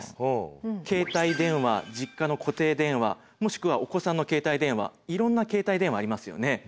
携帯電話実家の固定電話もしくはお子さんの携帯電話いろんな携帯電話ありますよね。